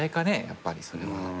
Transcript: やっぱりそれは。